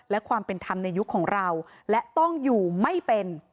และความเป็นธรรมในยุคของเราและต้องอยู่ไม่เป็น